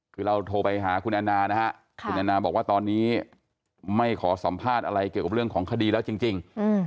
คือเราโทรไปหาคุณแอนนานะฮะคุณแอนนาบอกว่าตอนนี้ไม่ขอสัมภาษณ์อะไรเกี่ยวกับเรื่องของคดีแล้วจริง